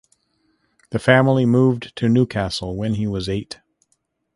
The family moved to Newcastle when he was eight.